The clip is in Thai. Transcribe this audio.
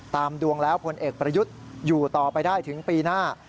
ตามดวงแล้วพลเอกประยุทธ์อยู่ต่อไปได้ถึงปีหน้า